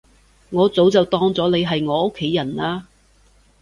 我早就當咗你係我屋企人喇